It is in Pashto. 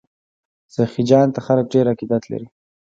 سخي جان ته خلک ډیر عقیدت لري.